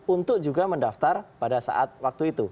untuk juga mendaftar pada saat waktu itu